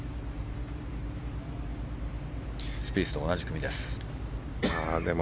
スピースと同じ組です。